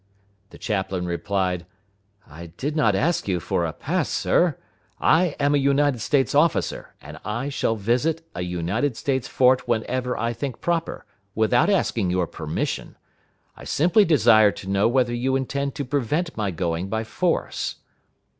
The chaplain replied, "I did not ask you for a pass, sir! I am a United States officer, and I shall visit a United States fort whenever I think proper, without asking your permission. I simply desire to know whether you intend to prevent my going by force."